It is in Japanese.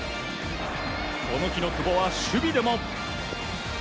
この日の久保は守備でも。